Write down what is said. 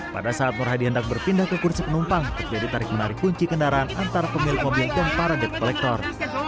pada saat nur hadi hendak berpindah ke kursi penumpang terjadi tarik menarik kunci kendaraan antara pemilik mobil dan para dep kolektor